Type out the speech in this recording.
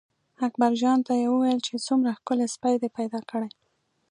اکبرجان ته یې وویل چې څومره ښکلی سپی دې پیدا کړی.